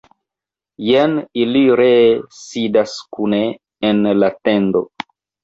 Jen ili ree sidas kune en la tendo!